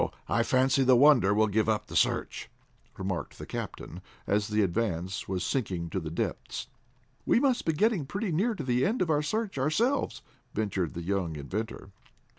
I fancy the Wonder will give up the search," remarked the captain, as the Advance was sinking to the depths. "We must be getting pretty near to the end of our search ourselves," ventured the young inventor.